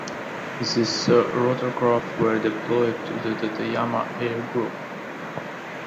These rotorcraft were deployed to the Tateyama Air Group.